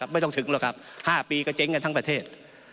ไม่ต้องถึง๕ปีก็เจ๊งกันทั้งประเทศ